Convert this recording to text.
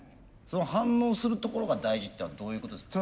その反応するところが大事っていうのはどういうことですか？